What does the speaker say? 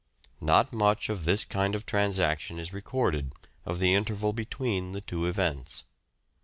Not much of this kind of transaction is recorded of the interval between the two events.